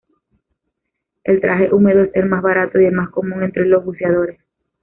El traje húmedo es el más barato y el más común entre los buceadores.